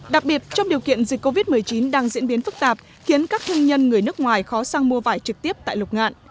đặc biệt trong điều kiện dịch covid một mươi chín đang diễn biến phức tạp khiến các thương nhân người nước ngoài khó sang mua vải trực tiếp tại lục ngạn